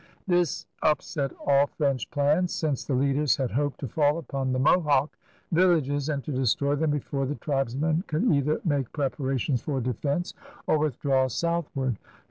This upset all French plans, since the leaders had hoped to fall upon the Mohawk villages and to destroy them before the tribesmen could either make preparations for defense or withdraw southward.